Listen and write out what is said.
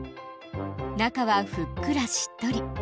中はふっくらしっとり。